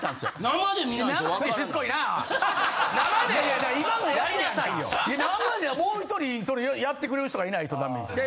生でもう１人やってくれる人がいないとダメでしょ。